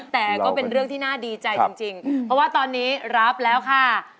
แต่ก็เป็นเรื่องที่น่าดีใจจริงเพราะว่าตอนนี้รับแล้วค่ะ